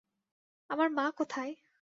আমার মা কোথায়?